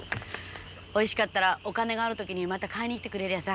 おいしかったらお金がある時にまた買いに来てくれりゃあさ。